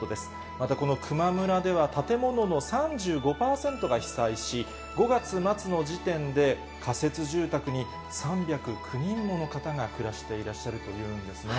また、この球磨村では、建物の３５％が被災し、５月末の時点で、仮設住宅に３０９人もの方が暮らしていらっしゃるというんですね。